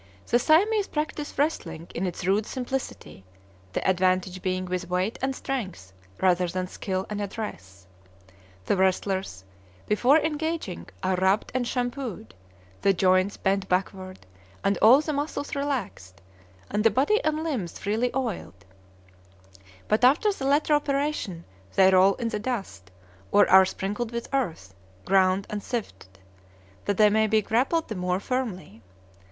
The Siamese practise wrestling in its rude simplicity, the advantage being with weight and strength, rather than skill and address. The wrestlers, before engaging, are rubbed and shampooed, the joints bent backward and all the muscles relaxed, and the body and limbs freely oiled; but after the latter operation they roll in the dust, or are sprinkled with earth, ground and sifted, that they may be grappled the more firmly.